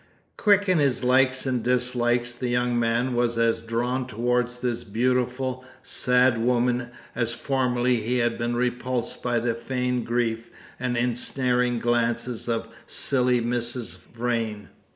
Quick in his likes and dislikes, the young man was as drawn towards this beautiful, sad woman as formerly he had been repulsed by the feigned grief and ensnaring glances of silly Mrs. Vrain.